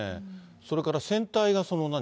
それから船体が何？